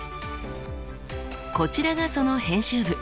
こちらがその編集部。